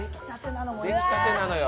出来たてなのよ。